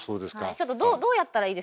ちょっとどうどうやったらいいですか？